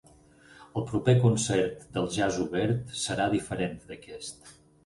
El proper concert del Jazz Obert serà diferent d'aquest.